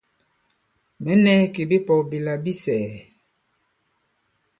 Mɛ̌ nɛ̄ kì bipɔ̄k bila bi sɛ̀ɛ̀.